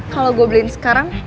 kalau gue beliin sekarang